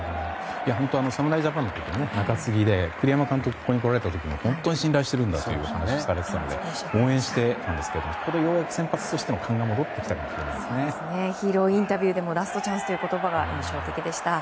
侍ジャパンの時も中継ぎで栗山監督がここに来られた時も本当に信頼しているんだというお話をされていたので応援していたんですがこれでようやく先発としての勘がヒーローインタビューもラストチャンスという言葉が印象的でした。